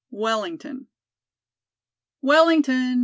WELLINGTON. "Wellington!